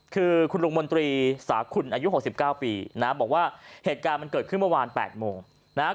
คือคุณลุงมนตรีสาขุนอายุ๖๙ปีนะบอกว่าเหตุการณ์มันเกิดขึ้นเมื่อวาน๘โมงนะฮะ